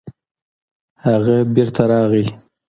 هغه بېرته راغی.